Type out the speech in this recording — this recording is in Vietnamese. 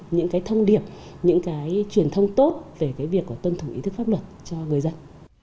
những cái thông điệp những cái truyền thông tốt về cái việc tuân thủ ý thức pháp luật cho người dân